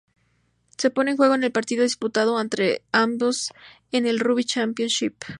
Se pone en juego en el partido disputado entre ambos en el Rugby Championship.